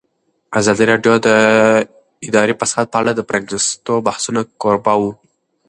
ازادي راډیو د اداري فساد په اړه د پرانیستو بحثونو کوربه وه.